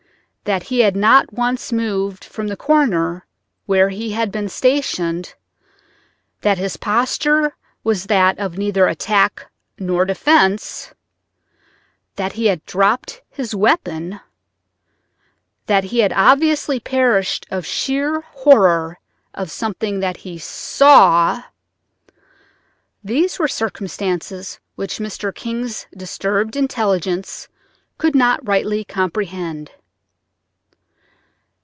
That he had not once moved from the corner where he had been stationed; that his posture was that of neither attack nor defense; that he had dropped his weapon; that he had obviously perished of sheer horror of something that he saw—these were circumstances which Mr. King's disturbed intelligence could not rightly comprehend.